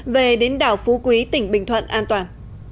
về đến đảo phú quý tỉnh bình thuận an toàn